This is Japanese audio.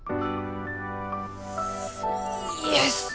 イエス！